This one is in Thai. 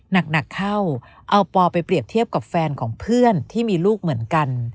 หนักเข้าเอาปอไปเปรียบเทียบกับแฟนของเพื่อนที่มีลูกเหมือนกัน